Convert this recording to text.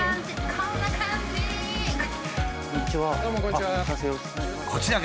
こんにちは。